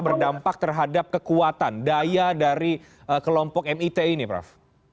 berdampak terhadap kekuatan daya dari kelompok mit ini prof